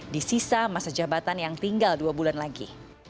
di sisa masa jabatan yang tinggal dua bulan lagi